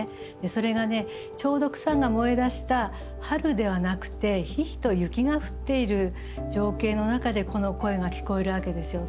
それがちょうど草がもえだした春ではなくて霏々と雪が降っている情景の中でこの声が聞こえるわけですよ。